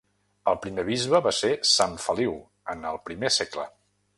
El primer bisbe va ser sant Feliu en el primer segle.